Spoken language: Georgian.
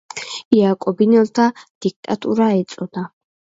იაკობინელთა დიქტატურა ეწოდა.